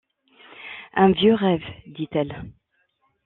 Un vieux rêve, dit-elle.